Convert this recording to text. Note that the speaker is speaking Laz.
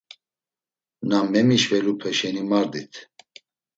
Na memişvelupe şeni mardit.